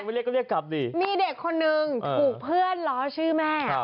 มีเด็กคนนึงถูกเพื่อนล้อชื่อแม่